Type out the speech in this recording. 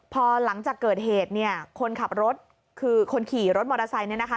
พอหลังจากเกิดเหตุเนี่ยคนขับรถคือคนขี่รถมอเตอร์ไซค์เนี่ยนะคะ